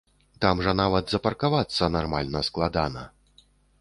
Там жа нават запаркавацца нармальна складана.